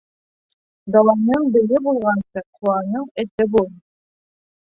Даланың бейе булғансы, ҡаланың эте бул.